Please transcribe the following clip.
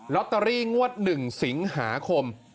โรตเตอรี่งวดหนึ่งสิงหาคม